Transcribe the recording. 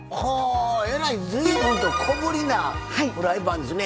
えらい、ずいぶんと小ぶりなフライパンですね。